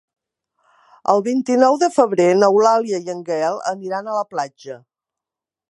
El vint-i-nou de febrer n'Eulàlia i en Gaël aniran a la platja.